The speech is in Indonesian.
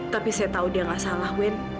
tapi saya tahu dia nggak salah win